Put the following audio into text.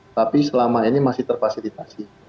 tapi selama ini masih terfasilitasi